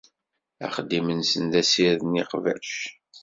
Axeddim-nsen d assired n yeqbac.